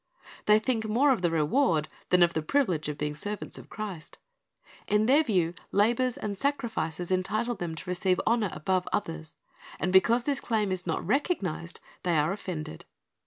They think more of the reward than of the privilege of being servants of Christ. In their view their labors and sacrifices entitle them to receive honor above others, and because this claim is not recognized, they are offended.